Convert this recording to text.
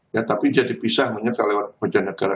ya tapi jadi pisah menyetel lewat pejabat negara